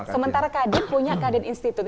sementara kadin punya kadin institut